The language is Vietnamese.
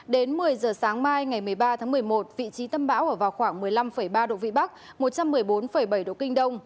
đến một mươi giờ sáng mai ngày một mươi ba tháng một mươi một vị trí tâm bão ở vào khoảng một mươi năm ba độ vĩ bắc một trăm một mươi bốn bảy độ kinh đông